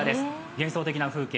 幻想的な風景。